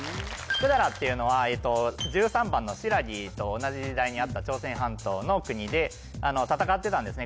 百済っていうのは１３番の新羅と同じ時代にあった朝鮮半島の国で戦ってたんですね